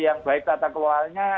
yang baik tata kelolanya